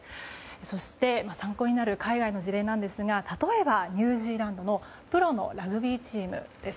そして、参考になる海外の事例ですが例えばニュージーランドのプロのラグビーチームです。